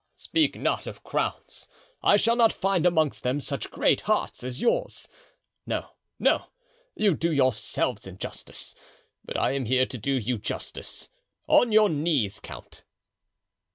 "Speak not of crowns. I shall not find amongst them such great hearts as yours. No, no, you do yourselves injustice; but I am here to do you justice. On your knees, count."